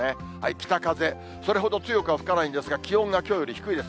北風、それほど強くは吹かないんですが、気温がきょうより低いです。